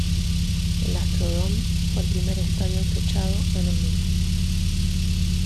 El Astrodome fue el primer estadio techado en el mundo.